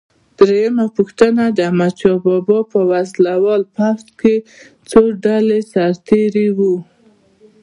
درېمه پوښتنه: د احمدشاه بابا په وسله وال پوځ کې څو ډوله سرتیري وو؟